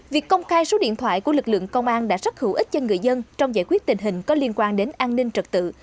việc công khai số điện thoại của lực lượng công an đã rất hữu ích cho người dân trong giải quyết tình hình có liên quan đến an ninh trật tự